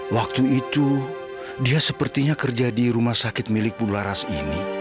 waktu itu dia sepertinya kerja di rumah sakit milik bularas ini